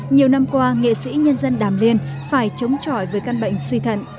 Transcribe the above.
nhiều năm qua nghệ sĩ nhân dân đàm liên phải chống chọi với căn bệnh suy thận